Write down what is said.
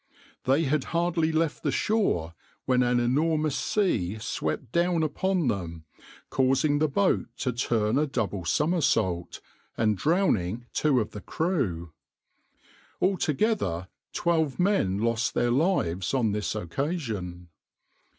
They had hardly left the shore when an enormous sea swept down upon them, causing the boat to turn a double somersault, and drowning two of the crew. Altogether twelve men lost their lives on this occasion.